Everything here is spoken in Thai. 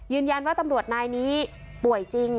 ยืนยันว่าตำรวจนายนี้ป่วยจริง